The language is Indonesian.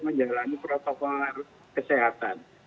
menjalani protokol kesehatan